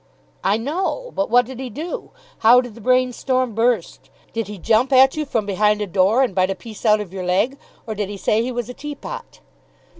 "I know. But what did he do? How did the brainstorm burst? Did he jump at you from behind a door and bite a piece out of your leg, or did he say he was a tea pot?"